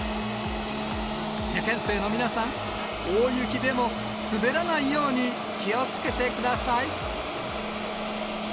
受験生の皆さん、大雪でも滑らないように気をつけてください。